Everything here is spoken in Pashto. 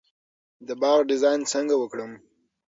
د باغ ډیزاین څنګه وکړم؟